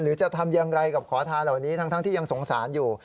จะทำอย่างไรกับขอทานเหล่านี้ทั้งที่ยังสงสารอยู่